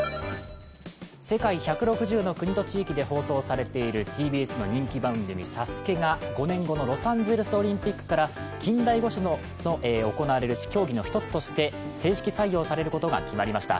世界１６０の国と地域で放送されているＴＢＳの人気番組「ＳＡＳＵＫＥ」が５年後のロサンゼルスオリンピックから近代五種で行われる競技の一つとして正式採用されることが決まりました。